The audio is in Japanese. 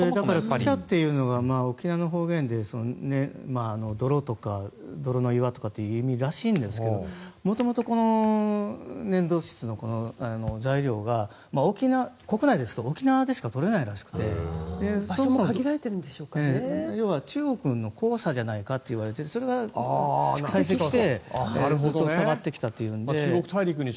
クチャっていうのが沖縄の方言で泥とか、泥の岩とかいう意味らしいんですがもともと、粘土質の材料が国内ですと沖縄でしかとれないらしくて要は中国の黄砂じゃないかといわれていてそれが堆積してずっとたまってきたので。